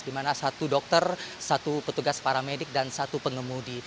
dimana satu dokter satu petugas paramedik dan satu pengemudi